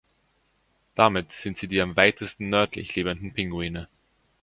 Damit sind sie die am weitesten nördlich lebenden Pinguine.